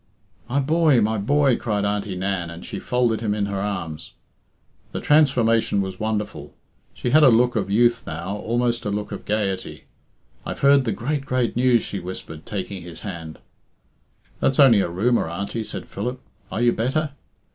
"My boy! my boy!" cried Auntie Nan, and she folded him in her arms. The transformation was wonderful. She had a look of youth now, almost a look of gaiety. "I've heard the great, great news," she whispered, taking his hand. "That's only a rumour, Auntie," said Philip. "Are you better?"